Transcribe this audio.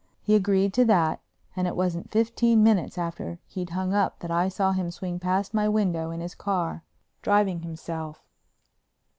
He agreed to that and it wasn't fifteen minutes after he'd hung up that I saw him swing past my window in his car, driving himself.